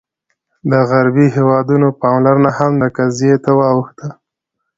د عربي هېوادونو پاملرنه هم دې قضیې ته واوښته.